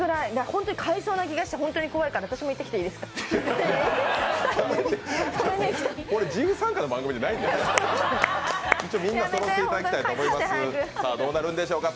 本当に買いそうな気がして怖いから私も行ってきていいですか。